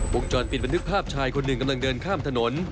วงจรปิดบันทึกภาพชายคนหนึ่งกำลังเดินข้ามถนน